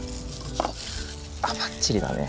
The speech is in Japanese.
あばっちりだね。